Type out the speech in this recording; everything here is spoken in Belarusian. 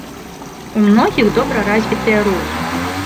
У многіх добра развітыя рогі.